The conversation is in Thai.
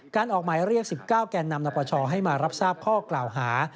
ออกหมายเรียก๑๙แก่นำนปชให้มารับทราบข้อกล่าวหา